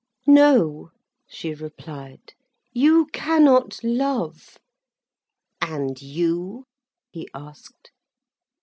"No," she replied. "You cannot love." "And you?" he asked.